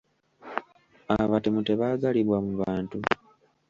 Abatemu tebaagalibwa mu bantu.